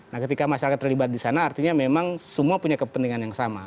nah ketika masyarakat terlibat di sana artinya memang semua punya kepentingan yang sama